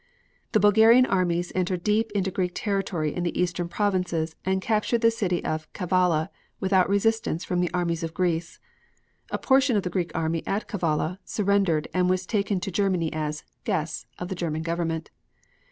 The Bulgarian armies entered deep in Greek territory in the eastern provinces and captured the city of Kavalla without resistance from the armies of Greece. A portion of the Greek army at Kavalla surrendered and was taken to Germany as "guests" of the German Government.